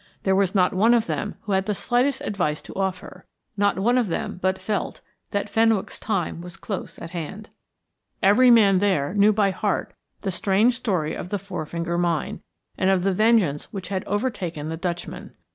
There was not one of them who had the slightest advice to offer, not one of them but felt that Fenwick's time was close at hand. Every man there knew by heart the strange story of the Four Finger Mine, and of the vengeance which had overtaken the Dutchman.